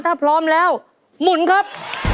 ถ้าพร้อมแล้วหมุนครับ